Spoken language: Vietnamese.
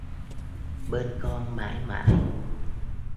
Bên con mãi mãi